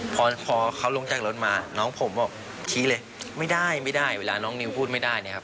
พอเขาลงจากรถมาน้องผมบอกชี้เลยไม่ได้ไม่ได้เวลาน้องนิวพูดไม่ได้เนี่ยครับ